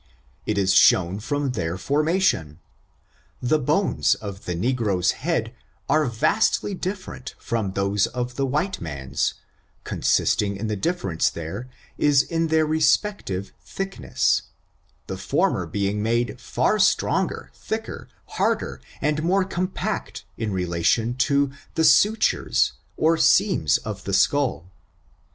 It is shown from their formation. The bones of the negro's head are vastly difierent firom those of the white man's, consisting in the difierence there is in their respective thickness ; the former be ing made far stronger, thicker, harder and more com' pact in relation to the sutures^ or seams of the skull : I ^^^^^^^ FORTUNES, OF THE NEGRO RACE.